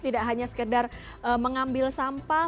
tidak hanya sekedar mengambil sampah